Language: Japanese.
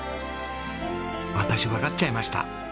私わかっちゃいました。